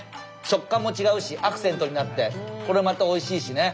食感も違うしアクセントになってこれまたおいしいしね。